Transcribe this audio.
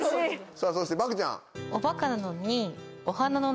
さぁそしてばくちゃん。